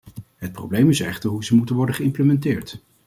Het probleem is echter hoe ze moeten worden geïmplementeerd.